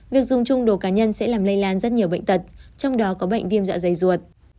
việc dùng chung đồ cá nhân sẽ làm lây lan rất nhiều bệnh tật trong đó có bệnh viêm dạ dày ruột